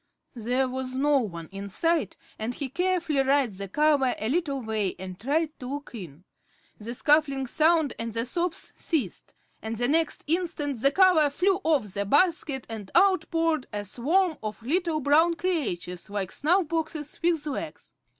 There was no one in sight, and he carefully raised the cover a little way and tried to look in. The scuffling sound and the sobs ceased, and the next instant the cover flew off the basket, and out poured a swarm of little brown creatures, like snuff boxes with legs.